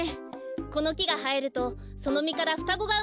このきがはえるとそのみからふたごがうまれるんですよ。